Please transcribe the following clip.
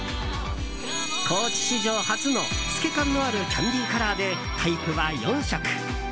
ＣＯＡＣＨ史上初の透け感のあるキャンディーカラーでタイプは４色。